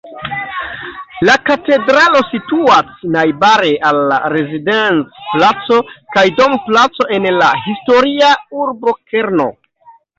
La katedralo situas najbare al la Rezidenz-placo kaj Dom-placo en la historia urbokerno.